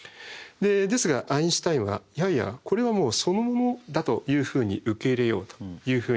ですがアインシュタインは「いやいやこれはもうそのものだというふうに受け入れよう」というふうに彼は考えて。